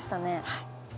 はい。